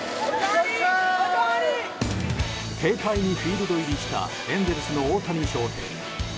軽快にフィールド入りしたエンゼルスの大谷翔平。